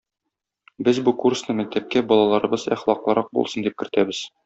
Без бу курсны мәктәпкә балаларыбыз әхлаклырак булсын дип кертәбез.